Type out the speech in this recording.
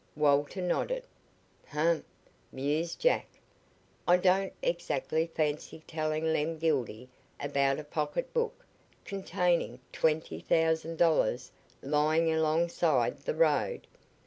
Walter nodded. "Humph!" mused Jack. "I don't exactly fancy telling Lem Gildy about a pocketbook containing twenty thousand dollars lying alongside the road.